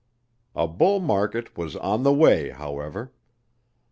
A bull market was on the way, however.